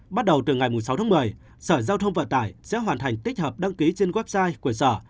bắt đầu từ ngày sáu tháng một mươi sở giao thông vận tải sẽ hoàn thành tích hợp đăng ký trên website của sở